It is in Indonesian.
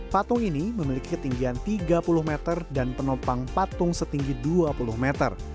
patung ini memiliki ketinggian tiga puluh meter dan penopang patung setinggi dua puluh meter